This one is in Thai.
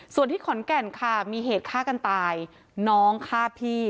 ส่วนที่ขอนแก่นค่ะมีเหตุฆ่ากันตายน้องฆ่าพี่